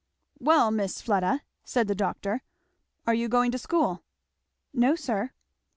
"Well, Miss Fleda," said the doctor, "are you going to school?" "No sir."